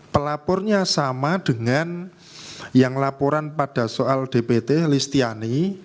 pelapornya sama dengan yang laporan pada soal dpt listiani